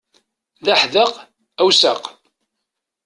D aḥdaq awsaq.